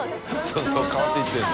そうそう変わっていってるの。